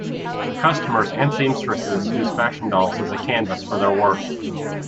Costumers and seamstresses use fashion dolls as a canvas for their work.